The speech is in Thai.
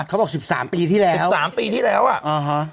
เขาบอก๑๓ปีที่แล้วอ่าฮะ